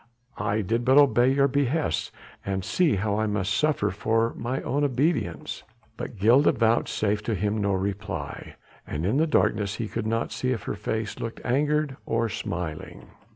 I did but obey your behests and see how I must suffer for mine obedience." But Gilda vouchsafed him no reply, and in the darkness he could not see if her face looked angered or smiling.